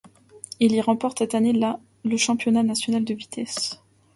Il y remporte cette année-là le championnat national de vitesse.